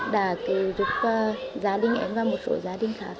đã giúp gia đình em và một số gia đình khác